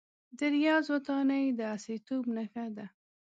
د ریاض ودانۍ د عصریتوب نښه ده.